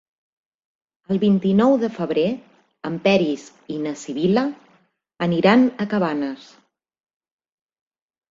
El vint-i-nou de febrer en Peris i na Sibil·la aniran a Cabanes.